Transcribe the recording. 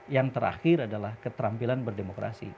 yang terakhir adalah keterampilan berdemokrasi